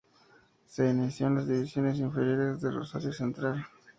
Se inició en las divisiones inferiores de Rosario Central.